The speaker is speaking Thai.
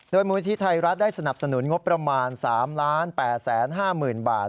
มูลนิธิไทยรัฐได้สนับสนุนงบประมาณ๓๘๕๐๐๐บาท